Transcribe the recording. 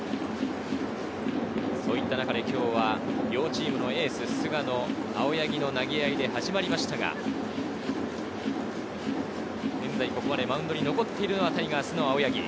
そういう中で今日は両チームのエース・菅野、青柳の投げあいで始まりましたが、現在、ここまでマウンドに残っているのはタイガースの青柳。